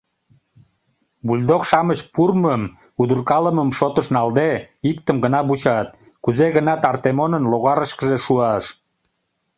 Бульдог-шамыч пурмым, удыркалымым шотыш налде, иктым гына вучат: кузе-гынат Артемонын логарышкыже шуаш.